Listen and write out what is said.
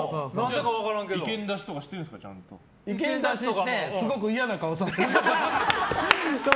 意見出ししてすごい嫌な顔される。